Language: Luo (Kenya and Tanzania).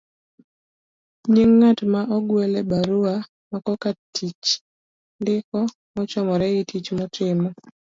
nying ng'at ma ogwel e barua makoka tich ndiko mochomore gi tich motimo